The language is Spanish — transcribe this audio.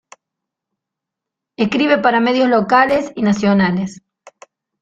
Escribe para medios locales y nacionales.